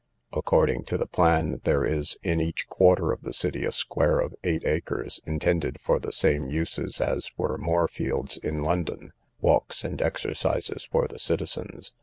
According to the plan, there is in each quarter of the city a square of eight acres, intended for the same uses as were Moorfields in London—walks and exercises for the citizens.